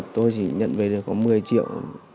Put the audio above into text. tôi chỉ nhận về được có một mươi triệu